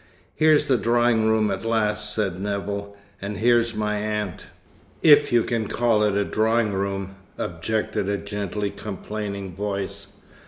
"Here's the drawing room at last," said Nevill, "and here's my aunt." "If you can call it a drawing room," objected a gently complaining voice.